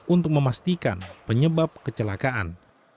untuk memastikan penyebab kecelakaan